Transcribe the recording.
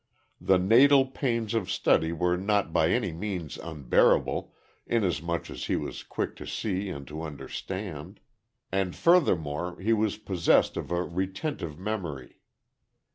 The natal pains of study were not by any means unbearable inasmuch as he was quick to see and to understand; and furthermore, he was possessed of a retentive memory.